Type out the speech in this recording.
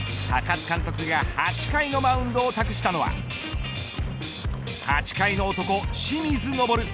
高津監督が８回のマウンドを託したのは８回の男、清水昇。